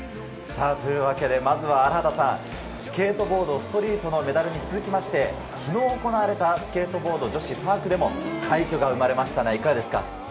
まず荒畑さん、スケートボードストリートのメダルに続いて、昨日行われたスケートボード女子パークでも快挙が生まれましたね。